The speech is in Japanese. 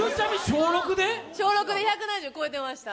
小６で１７０越えてました。